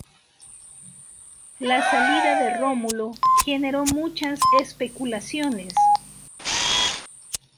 La salida de Rómulo generó muchas especulaciones.